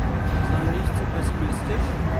Sei nicht so pessimistisch.